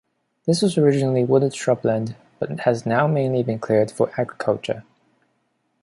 This was originally wooded shrubland but has now mainly been cleared for agriculture.